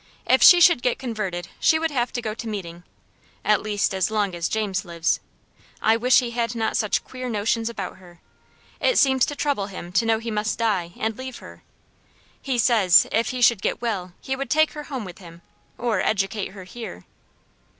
If she should get converted she would have to go to meeting: at least, as long as James lives. I wish he had not such queer notions about her. It seems to trouble him to know he must die and leave her. He says if he should get well he would take her home with him, or educate her here.